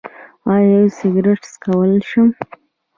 ایا زه سګرټ څکولی شم؟